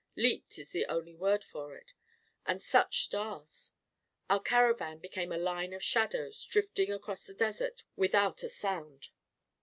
Leaped is the only word for it — and such stars 1 Our cara van became a line of shadows, drifting across the desert without a sound.